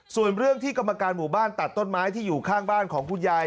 ส่วนเรื่องที่กรรมการหมู่บ้านตัดต้นไม้ที่อยู่ข้างบ้านของคุณยาย